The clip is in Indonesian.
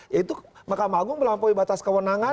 ya itu makamanggung melampaui batas kewenangan